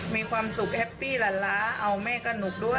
มีความสุขแฮปปี้ละล้าเอาแม่กระหนุกด้วย